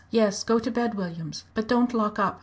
"Yes; go to bed, Williams, but don't lock up.